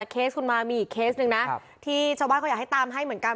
เคสคุณมามีอีกเคสหนึ่งนะที่ชาวบ้านเขาอยากให้ตามให้เหมือนกัน